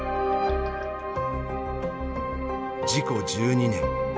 事故１２年。